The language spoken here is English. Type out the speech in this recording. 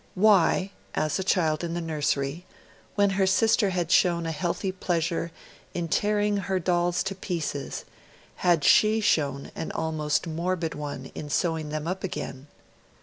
Why, as a child in the nursery, when her sister had shown a healthy pleasure in tearing her dolls to pieces, had SHE shown an almost morbid one in sewing them up again?